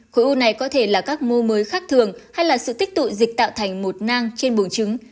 khối u này có thể là các mô mới khác thường hay là sự tích tụi dịch tạo thành một nang trên buồn trứng